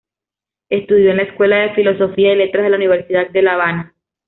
Estudió en la Escuela de Filosofía y Letras de la Universidad de La Habana.